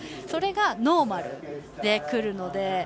それがノーマルでくるので。